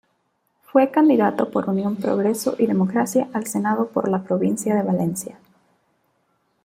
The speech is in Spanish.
Fue candidato por Unión Progreso y Democracia al Senado por la provincia de Valencia.